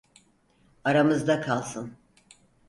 Aramızda kalsın.